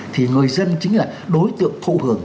thì người dân chính là đối tượng thụ hưởng